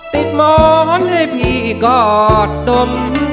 ติดมองให้พี่กอดดม